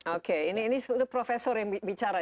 oke ini profesor yang bicara